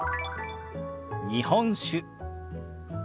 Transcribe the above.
「日本酒」。